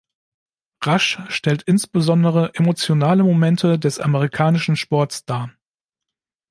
Rush stellt insbesondere emotionale Momente des amerikanischen Sports dar.